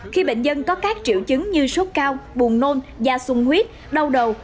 khi bệnh nhân có các triệu chứng như sốt cao buồn nôn da sung huyết đau đầu